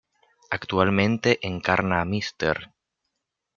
Actualmente encarna a Mr.